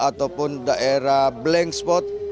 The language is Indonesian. ataupun daerah blank spot